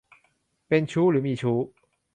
เป็นชู้หรือมีชู้